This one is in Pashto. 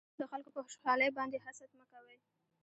د خلکو په خوشحالۍ باندې حسد مکوئ